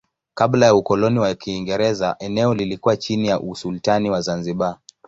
Kabla ya ukoloni wa Kiingereza eneo lilikuwa chini ya usultani wa Zanzibar.